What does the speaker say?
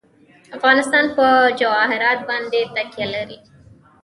افغانستان په جواهرات باندې تکیه لري.